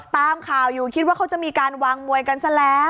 ตามข่าวอยู่คิดว่าเขาจะมีการวางมวยกันซะแล้ว